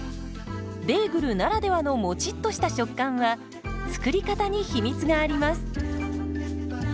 ベーグルならではのもちっとした食感は作り方に秘密があります。